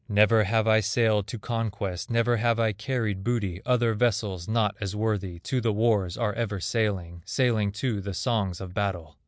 Never have I sailed to conquest, Never have I carried booty; Other vessels not as worthy To the wars are ever sailing, Sailing to the songs of battle.